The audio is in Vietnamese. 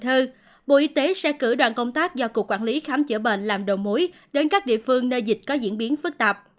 thời bộ y tế sẽ cử đoàn công tác do cục quản lý khám chữa bệnh làm đầu mối đến các địa phương nơi dịch có diễn biến phức tạp